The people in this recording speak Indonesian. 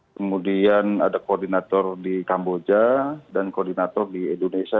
kemudian ada koordinator di kamboja dan koordinator di indonesia